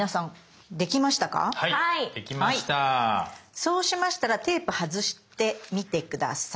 そうしましたらテープ外してみて下さい。